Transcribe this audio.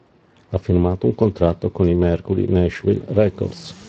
Ha firmato un contratto con i Mercury Nashville Records.